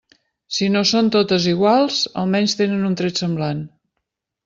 Si no són totes iguals, almenys tenen un tret semblant.